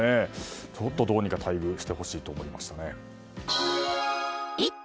ちょっと、待遇どうにかしてほしいと思いますね。